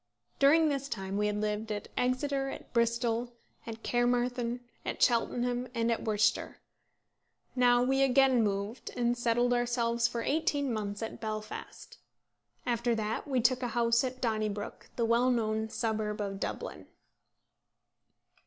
During this time we had lived at Exeter, at Bristol, at Caermarthen, at Cheltenham, and at Worcester. Now we again moved, and settled ourselves for eighteen months at Belfast. After that we took a house at Donnybrook, the well known suburb of Dublin.